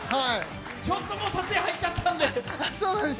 ちょっともう撮影入っちゃったんで。